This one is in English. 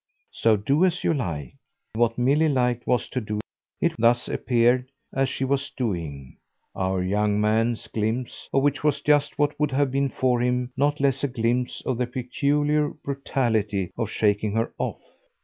So do as you like." What Milly "liked" was to do, it thus appeared, as she was doing: our young man's glimpse of which was just what would have been for him not less a glimpse of the peculiar brutality of shaking her off.